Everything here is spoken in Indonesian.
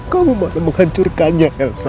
kamu malah menghancurkannya elsa